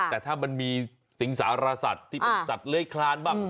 แต่ถ้ามันมีสิงสารสัตว์ที่เป็นสัตว์เลื้อยคลานบ้าง